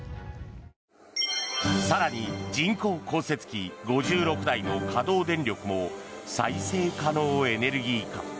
更に、人工降雪機５６台の稼働電力も再生可能エネルギー化。